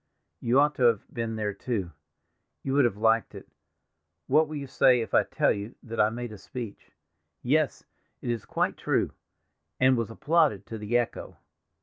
"You ought to have been there, too; you would have liked it. What will you say if I tell you that I made a speech—yes, it is quite true—and was applauded to the echo.